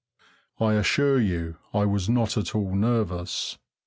I assure you I was not at all nervous.